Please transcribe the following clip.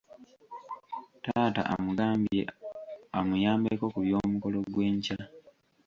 Taata amugambye amuyambeko ku by'omukolo gw'enkya.